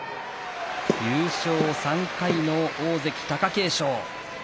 優勝３回の大関・貴景勝。